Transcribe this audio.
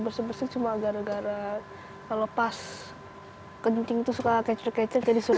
bersih bersih cuma gara gara kalau pas kencing itu suka kecil kecil jadi suruh